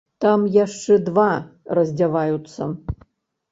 Там яшчэ два раздзяваюцца.